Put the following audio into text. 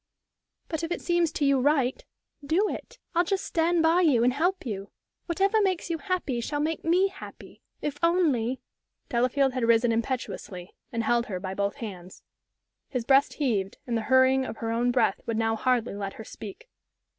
But if it seems to you right, do it. I'll just stand by you and help you. Whatever makes you happy shall make me happy, if only " Delafield had risen impetuously and held her by both hands. His breast heaved, and the hurrying of her own breath would now hardly let her speak.